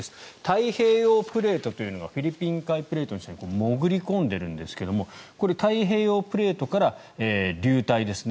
太平洋プレートというのがフィリピン海プレートの下に潜り込んでいるんですが太平洋プレートから流体ですね。